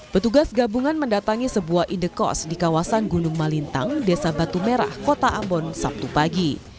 petugas gabungan mendatangi sebuah indekos di kawasan gunung malintang desa batu merah kota ambon sabtu pagi